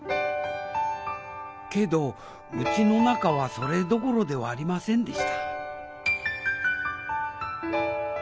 けどうちの中はそれどころではありませんでした